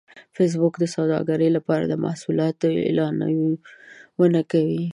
فېسبوک د سوداګرۍ لپاره د محصولاتو اعلانونه کوي